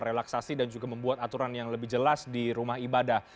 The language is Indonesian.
relaksasi dan juga membuat aturan yang lebih jelas di rumah ibadah